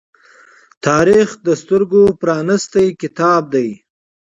تاریخ د سترگو پرانیستی کتاب دی.